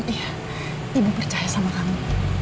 iya ibu percaya sama kamu